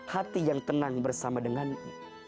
hati yang tenang bersama denganmu